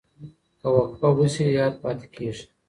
که وقفه وشي یاد پاتې کېږي.